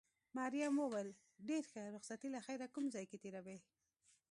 مريم وویل: ډېر ښه، رخصتي له خیره کوم ځای کې تېروې؟